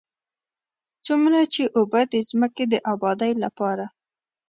څومره چې اوبه د ځمکې د ابادۍ لپاره.